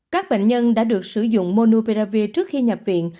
các bệnh nhân đã được sử dụng monupelavir trước khi nhập viện